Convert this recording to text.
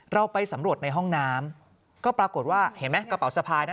เราไปสำรวจในห้องน้ำก็ปรากฏว่าเห็นไหมกระเป๋าสะพายนะ